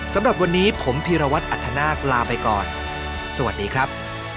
สำหรับวันนี้ผมพีรวัตรอัธนาคลาไปก่อนสวัสดีครับ